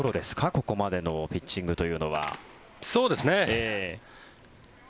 ここまでのピッチングというのは。